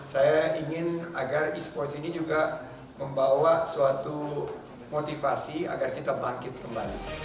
saya ingin agar e sports ini juga membawa suatu motivasi agar kita bangkit kembali